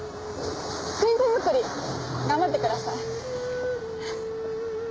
クイズ作り頑張ってください。